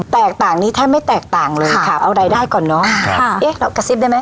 แตกต่างนี้แทบไม่แตกต่างเลยค่ะเอารายได้ก่อนเนอะค่ะเอ๊ะเรากระซิบได้ไหม